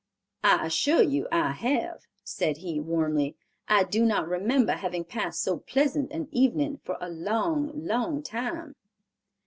"I assure you I have," said he, warmly "I do not remember having passed so pleasant an evening for a long, long time."